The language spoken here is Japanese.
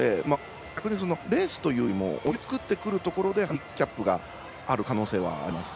逆に、レースというよりも泳ぎを作ってくるところでハンディキャップがある可能性はありますね。